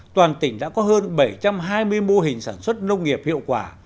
toàn tỉnh đã có hơn bảy trăm hai mươi mô hình sản xuất nông nghiệp hiệu quả